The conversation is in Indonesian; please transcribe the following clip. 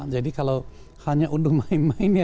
jadi kalau hanya undur main main ya